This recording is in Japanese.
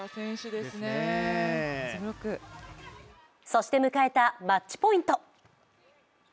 そして迎えたマッチポイント。